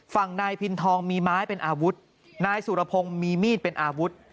ฝั่งนายพินทองมีไม้เป็นอาวุธนายสุรพงศ์มีมีดเป็นอาวุธ